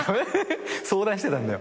相談してたんだよ。